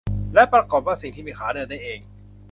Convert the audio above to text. และปรากฏว่า สิ่งที่มีขาเดินได้เอง